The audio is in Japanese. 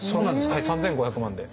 はい３，５００万で。